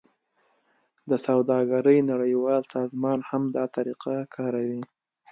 د سوداګرۍ نړیوال سازمان هم دا طریقه کاروي